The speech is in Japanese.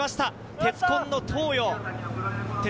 鉄紺の東洋。